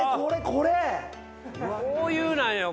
こういうなんよ。